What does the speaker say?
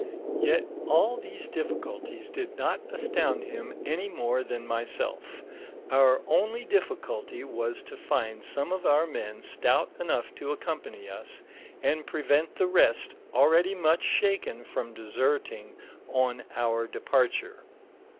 Yet all these difficulties did not astound him any more than myself ; our only difficulty was to find some of owr men stout enough to accompany us and prevent the rest already mxich shaken from deserting on our departure."